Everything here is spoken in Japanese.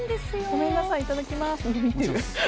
ごめんなさい、いただきます。